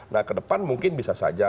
nah ke depan mungkin bisa saja